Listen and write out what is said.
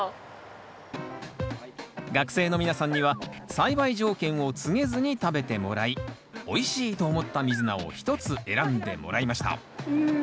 学生の皆さんには栽培条件を告げずに食べてもらいおいしいと思ったミズナを１つ選んでもらいましたうん。